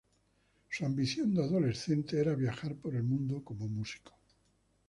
Su ambición de adolescente era viajar por el mundo como músico.